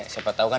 siapa tau kan